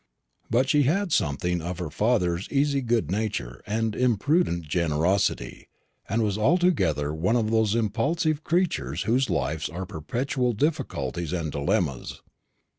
But she had something of her father's easy good nature and imprudent generosity; and was altogether one of those impulsive creatures whose lives are perpetual difficulties and dilemmas.